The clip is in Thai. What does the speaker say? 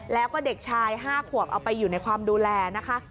แล้วก็เด็กชาย๕ขวบเอาไปอยู่ในความดูแลนะคะ